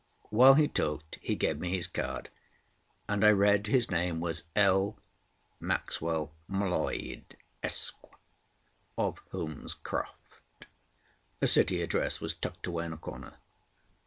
While he talked he gave me his card, and I read his name was L. Maxwell M'Leod, Esq., of Holmescroft. A City address was tucked away in a corner.